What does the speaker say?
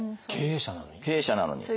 経営者なのに？